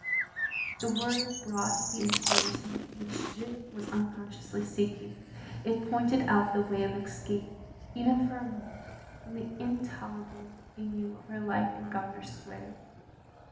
The word brought the inspiration which Jeanne was unconsciously seeking; it pointed out the way of escape, even for a moment, from the in tolerable ennui of her life in Grosvenor Square.